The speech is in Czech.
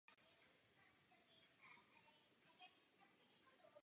Existuje v železniční i silniční variantě.